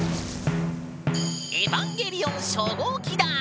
エヴァンゲリオン初号機だ！